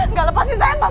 nggak lepaskan saya pak